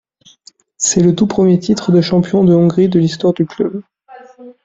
C'est le tout premier titre de champion de Hongrie de l'histoire du club.